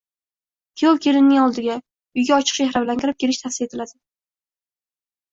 Kuyov kelinning oldiga, uyga ochiq chehra bilan kirib kelishi tavsiya etiladi.